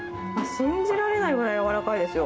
信じられないぐらい柔らかいですよ。